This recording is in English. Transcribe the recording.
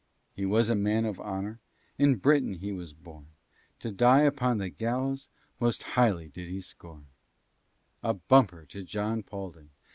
He was a man of honor, In Britain he was born; To die upon the gallows Most highly he did scorn. A bumper to John Paulding!